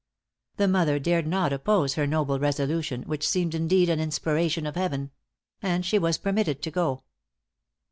The mother dared not oppose her noble resolution, which seemed indeed an inspiration of heaven; and she was permitted to go.